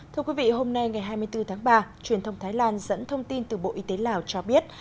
thưa quý vị hôm nay ngày hai mươi bốn tháng ba truyền thông thái lan dẫn thông tin từ bộ y tế lào cho biết